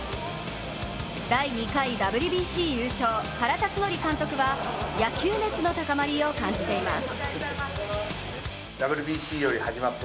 第２回ＷＢＣ優勝、原辰徳監督は野球熱の高まりを感じています。